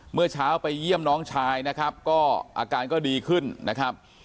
เมื่อเช้าไปเยี่ยมน้องชายนะครับก็อาการก็ดีขึ้นนะครับ